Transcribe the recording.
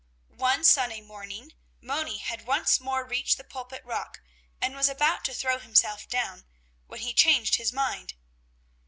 One sunny morning Moni had once more reached the Pulpit rock, and was about to throw himself down, when he changed his mind.